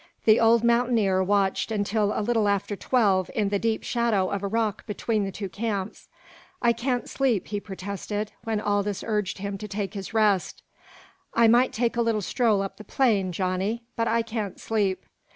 The old mountaineer watched until a little after twelve in the deep shadow of a rock between the two camps. "I can't sleep," he protested, when Aldous urged him to take his rest. "I might take a little stroll up the plain, Johnny but I can't sleep."